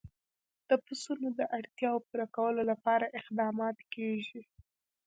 د پسونو د اړتیاوو پوره کولو لپاره اقدامات کېږي.